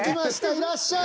いらっしゃい。